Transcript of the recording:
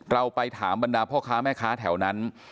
เราไปถามบรรดาพ่อค้าแม่ค้าแถวนั้น